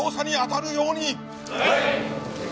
はい！